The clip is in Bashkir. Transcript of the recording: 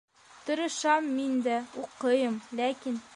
Тырышам мин дә, уҡыйым, ләкин...